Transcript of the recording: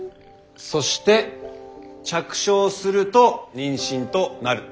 そして着床すると妊娠となる。